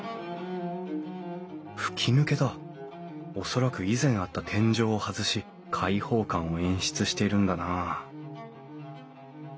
恐らく以前あった天井を外し開放感を演出しているんだな